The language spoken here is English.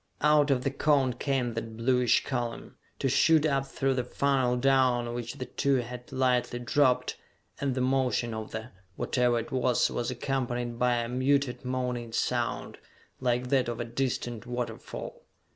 Out of the cone came that bluish column, to shoot up through the funnel down which the two had lightly dropped ... and the motion of the whatever it was was accompanied by a muted moaning sound, like that of a distant waterfall.